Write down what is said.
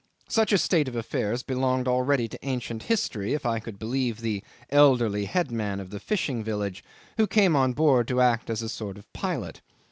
Such a state of affairs belonged already to ancient history, if I could believe the elderly headman of the fishing village, who came on board to act as a sort of pilot.